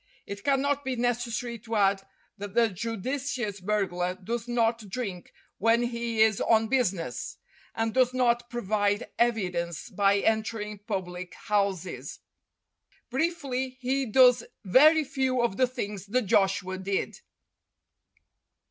It cannot be necessary to add that the judicious burglar does not drink when he is on business, and does not provide evidence by entering public houses. Briefly, he does very few of the things that Joshua did.